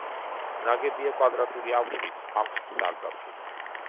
ნაგებია კვადრატული აგურით, აქვს სარდაფი.